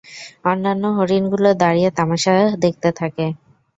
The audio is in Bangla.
অন্যান্য হরিণগুলো দাঁড়িয়ে তামাশা দেখতে থাকে।